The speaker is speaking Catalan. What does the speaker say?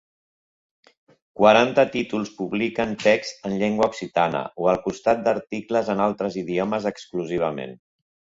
Quaranta títols publiquen texts en llengua occitana, o al costat d'articles en altres idiomes, exclusivament.